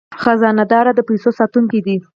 خزانه دار د پیسو ساتونکی دی